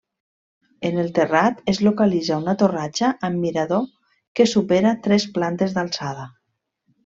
En el terrat es localitza una torratxa amb mirador que supera tres plantes d'alçada.